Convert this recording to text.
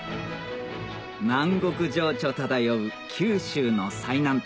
南国情緒漂う九州の最南端